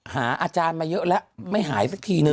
อาจารย์มาเยอะแล้วไม่หายสักทีนึง